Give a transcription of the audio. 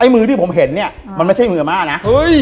มือที่ผมเห็นเนี่ยมันไม่ใช่มือม่านะ